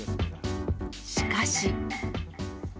しかし。